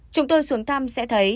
chúng tôi xuống thăm sẽ thấy